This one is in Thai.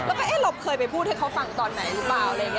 แล้วก็เอ๊ะหลบเคยไปพูดให้เขาฟังตอนไหนหรือเปล่า